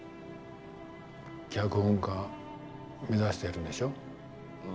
脚本家を目指してるんでしょ？